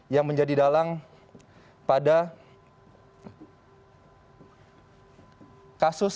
yang menjadi dalang pada kasus sembilan sebelas